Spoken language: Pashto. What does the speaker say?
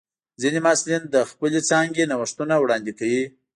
ځینې محصلین د خپلې څانګې نوښتونه وړاندې کوي.